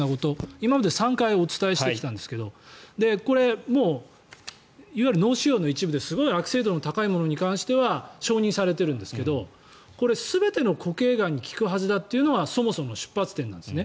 今まで３回お伝えしてきたんですがこれ、いわゆる脳腫瘍の一部ですごく悪性度の高いものについては承認されているんですが全ての固形がんに効くはずだということがそもそもの出発点なんです。